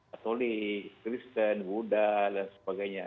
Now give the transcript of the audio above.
atau di kristen buddha dan sebagainya